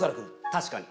確かに。